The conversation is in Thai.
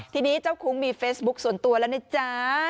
ทีนี้เจ้าคุ้งมีเฟซบุ๊คส่วนตัวแล้วนะจ๊ะ